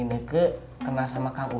nih gue tugas negara dulu